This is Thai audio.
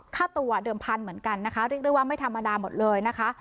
ค่าตัวเดิมพันธุ์เหมือนกันนะคะเรียกได้ว่าไม่ธรรมดาหมดเลยนะคะ